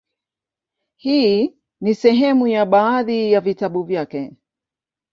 Hii ni sehemu ya baadhi ya vitabu vyake;